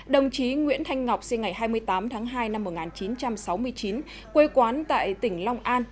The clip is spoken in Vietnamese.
đồng chí nguyễn thanh ngọc sinh ngày hai mươi tám tháng hai năm một nghìn chín trăm sáu mươi chín quê quán tại tỉnh long an